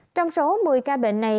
trong số một mươi ca bệnh này